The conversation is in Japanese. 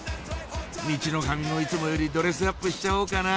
ミチノカミもいつもよりドレスアップしちゃおうかな